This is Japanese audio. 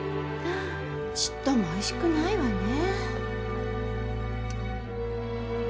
ちっともおいしくないわね。